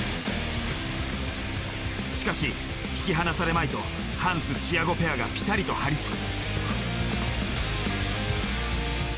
しかし引き離されまいとハンスチアゴペアがピタリと張り付く。